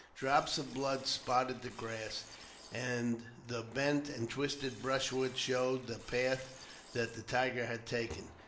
Drops of blood spotted the grass, and the bent and twisted brushwood showed the path that the tiger had taken.